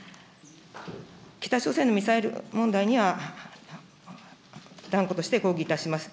北朝鮮のミサイル問題には断固として抗議いたします。